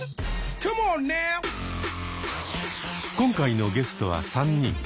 今回のゲストは３人。